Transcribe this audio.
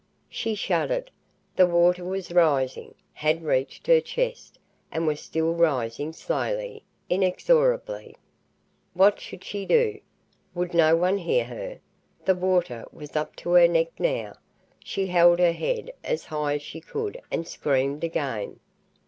She shuddered, The water was rising had reached her chest, and was still rising, slowly, inexorably. What should she do? Would no one hear her? The water was up to her neck now. She held her head as high as she could and screamed again.